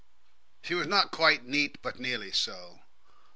She was not quite neat, but nearly so.